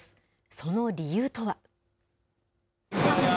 その理由とは。